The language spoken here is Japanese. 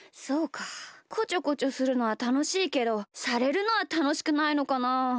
こちょこちょするのはたのしいけどされるのはたのしくないのかな。